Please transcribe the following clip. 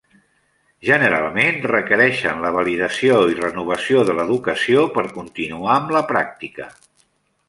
Generalment, requereixen la validació i renovació de l'educació per continuar amb la pràctica.